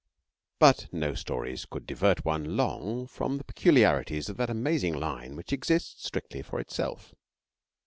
But no stories could divert one long from the peculiarities of that amazing line which exists strictly for itself.